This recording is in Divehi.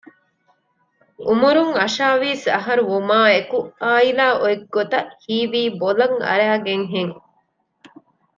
އުމުރުން އަށާވީސް އަހަރު ވުމާއެކު އާއިލާ އޮތްގޮތަށް ހީވީ ބޮލަށް އަރައިގެންހެން